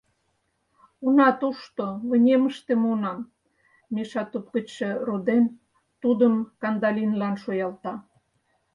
Уна тушто, вынемыште муынам, — Миша, туп гычше руден, тудым Кандалинлан шуялта